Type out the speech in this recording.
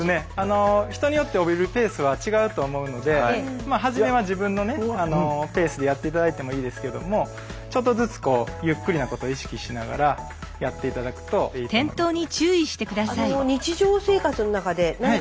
人によって下りるペースは違うと思うのではじめは自分のねペースでやって頂いてもいいですけどもちょっとずつゆっくりなことを意識しながらやって頂くといいと思いますね。